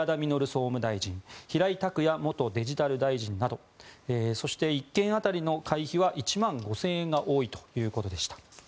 総務大臣平井卓也元デジタル大臣などそして、１件当たりの会費は１万５０００円が多いということでした。